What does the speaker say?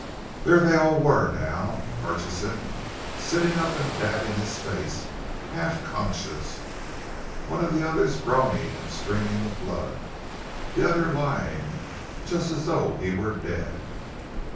There they all were now Murchison sitting up and dabbing his face, half conscious, one of the others groaning and streaming with blood, the other lying just as though he were dead.